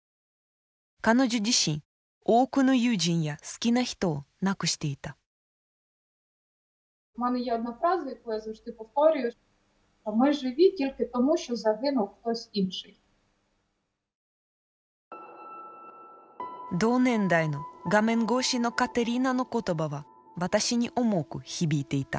彼女自身多くの友人や好きな人を亡くしていた同年代の画面越しのカテリーナの言葉は私に重く響いていた。